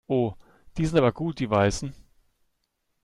Oh, die sind aber gut, die Weißen!